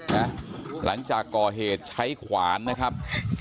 หลังจากก่อเหตุใช้ขวานนะครับ